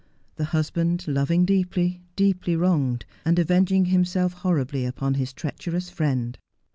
The husband, loving deeply, deeply wronged, and avenging himself horribly upon his treacherous friend.